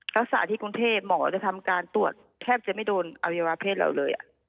รักษาที่กรุงเทพหมอจะทำการตรวจแทบจะไม่โดนอวัยวะเพศเราเลย